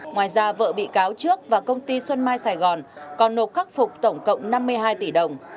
ngoài ra vợ bị cáo trước và công ty xuân mai sài gòn còn nộp khắc phục tổng cộng năm mươi hai tỷ đồng